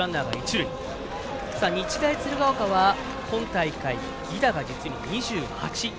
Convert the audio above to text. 日大鶴ヶ丘は今大会犠打が実に２８。